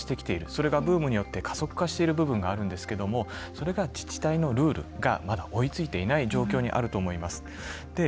それがブームによって加速化している部分があるんですけどそれが自治体のルールがまだ追いついていない状況にあると思います。